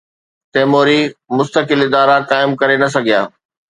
تيموري مستقل ادارا قائم ڪري نه سگھيا.